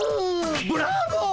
ブラボー！